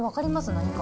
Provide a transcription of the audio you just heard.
何か。